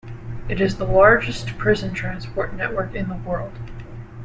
It is the largest prison transport network in the world.